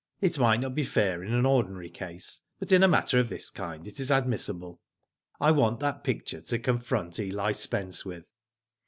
It might not be fair in an ordinary case, but in a matter of this kind it is admissible. " I want that picture to confront Eli Spence with."